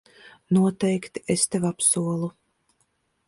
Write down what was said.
Noteikti, es tev apsolu.